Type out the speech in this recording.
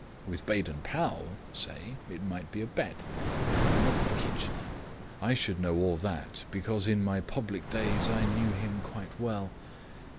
With Baden Powell, say, it might be a bet but not with Kitchener. I should know all that, because in my public days I knew him quite well.